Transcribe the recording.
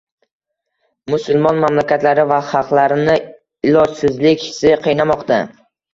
Musulmon mamlakatlari va xalqlarini ilojsizlik hissi qiynamoqda